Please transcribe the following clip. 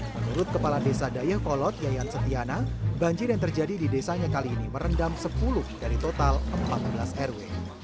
menurut kepala desa dayakolot yayan setiana banjir yang terjadi di desanya kali ini merendam sepuluh dari total empat belas rw